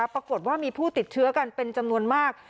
ปรากฏว่ามีผู้ติดเชื้อกันเป็นจำนวนมาก